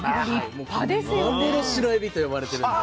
もう幻のエビと呼ばれてるんで。